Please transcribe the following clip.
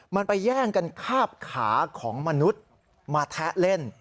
มันไปแย่งกันคาบขาของมนุษย์มาแทะเล่น